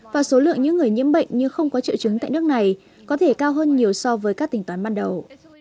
và số lượng những người nhiễm bệnh như không có triệu chứng tại nước này có thể cao hơn nhiều so với các tỉnh toán ban đầu